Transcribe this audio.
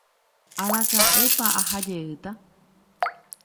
araka'épa aha jeýta